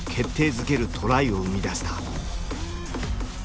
づけるトライを生み出した。